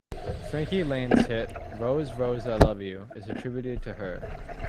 Frankie Laine's hit "Rose, Rose, I Love You" is attributed to her.